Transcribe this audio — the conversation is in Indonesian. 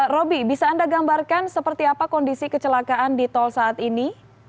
roby bisa anda gambarkan seperti apa kondisi kecelakaan di tol saat ini